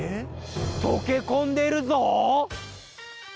とけこんでるぞ！